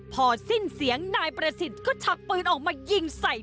พอสิ้นเสียงนายประสิทธิ์ก็ชักปืนออกมายิงใส่